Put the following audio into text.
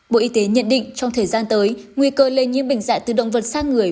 bộ y tế nhận định trong thời gian tới nguy cơ lây nhiễm bệnh dạy từ động vật sang người